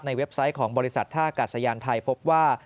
เว็บไซต์ของบริษัทท่ากาศยานไทยพบว่า